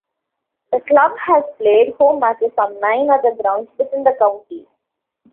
The club has played home matches on nine other grounds within the county.